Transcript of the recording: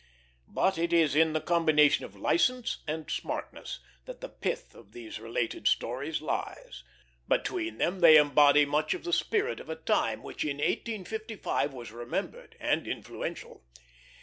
But it is in the combination of license and smartness that the pith of these related stories lies; between them they embody much of the spirit of a time which in 1855 was remembered and influential.